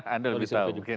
anda lebih tahu mungkin